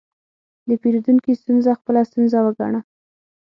د پیرودونکي ستونزه خپله ستونزه وګڼه.